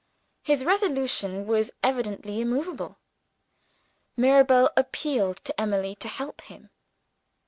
His resolution was evidently immovable. Mirabel appealed to Emily to help him.